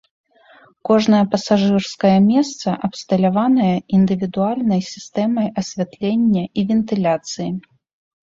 Кожнае пасажырскае месца абсталяванае індывідуальнай сістэмай асвятлення і вентыляцыі.